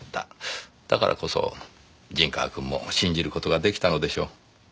だからこそ陣川くんも信じる事が出来たのでしょう。